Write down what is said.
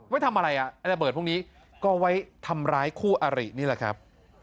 ไว้ทำอะไรอ่ะไอ้ระเบิดพวกนี้ก็ไว้ทำร้ายคู่อรินี่แหละครับ